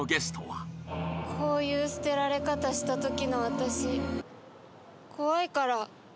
「こういう捨てられ方したときの私怖いから」